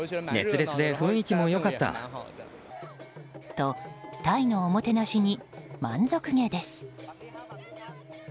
と、タイのおもてなしに満足げです。